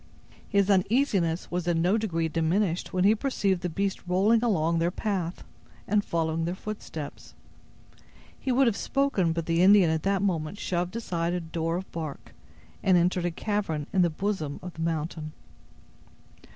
His uneasiness was in no degree diminished when he perceived the beast rolling along their path, and following their footsteps. He would have spoken, but the Indian at that moment shoved aside a door of bark, and entered a cavern in the bosom of the mountain.